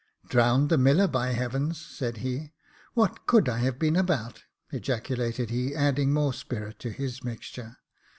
"Drowned the miller, by heavens !" said he. "What could I have been about ?" ejaculated he, adding more spirit to his mixture.